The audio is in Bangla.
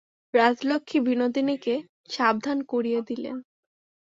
রাজলক্ষ্মী বিনোদিনীকে সাবধান করিয়া দিলেন।